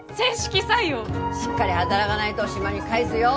しっかり働がないど島に帰すよ！